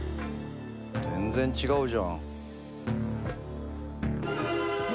全然違うじゃん。